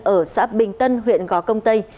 ở xã bình tân huyện gó công tây